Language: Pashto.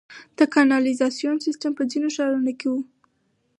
د کانالیزاسیون سیستم په ځینو ښارونو کې و